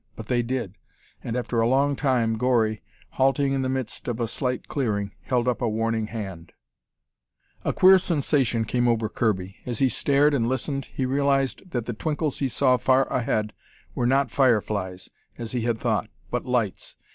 But they did, and after a long time, Gori, halting in the midst of a slight clearing, held up a warning hand. A queer sensation came over Kirby. As he stared and listened, he realized that the twinkles he saw far ahead were not fire flies, as he had thought, but lights.